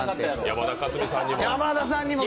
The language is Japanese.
山田勝己さんにも。